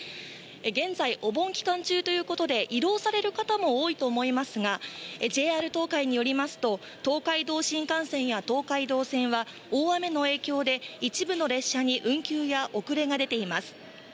現在、お盆期間中ということで、移動される方も多いと思いますが、ＪＲ東海によりますと、東海道新幹線や東海道線は、大雨の影響で、一部の列車に運休や遅れが出ています。